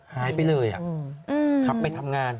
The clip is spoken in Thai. หายไปเลยขับไปทำงาน